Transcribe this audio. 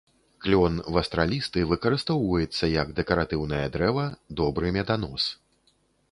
Клён вастралісты выкарыстоўваецца як дэкаратыўнае дрэва, добры меданос.